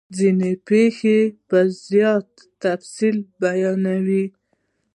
ځیني پیښې په زیات تفصیل بیانوي.